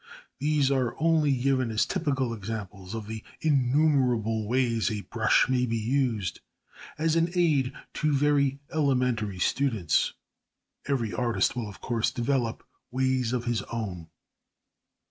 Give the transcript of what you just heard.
These are only given as typical examples of the innumerable ways a brush may be used as an aid to very elementary students; every artist will, of course, develop ways of his own.